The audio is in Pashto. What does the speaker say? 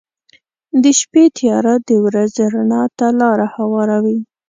• د شپې تیاره د ورځې رڼا ته لاره هواروي.